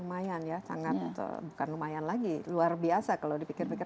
lumayan ya sangat atau bukan lumayan lagi luar biasa kalau dipikir pikir